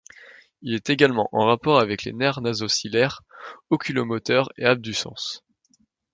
Il est également en rapport avec les nerfs nasociliaire, oculomoteur et abducens.